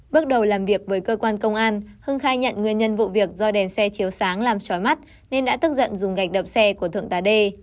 bước đầu làm việc với cơ quan công an hưng khai nhận nguyên nhân vụ việc do đèn xe chiếu sáng làm sói mắt nên đã tức giận dùng gạch đập xe của thượng tá đê